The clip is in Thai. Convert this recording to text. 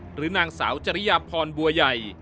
หรือนางสาวจริยพรบัวใหญ่